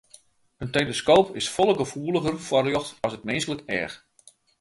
In teleskoop is folle gefoeliger foar ljocht as it minsklik each.